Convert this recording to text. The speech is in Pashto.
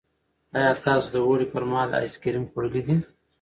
ایا تاسو د اوړي پر مهال آیس کریم خوړلي دي؟